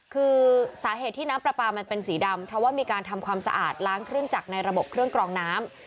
คือสาเหตุที่น้ำปลาปลามันเป็นสีดำเพราะว่ามีการทำความสะอาดล้างเครื่องจักรในระบบเครื่องกรองน้ำ